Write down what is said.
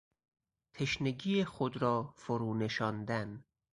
تشنگی خود را فرونشاندن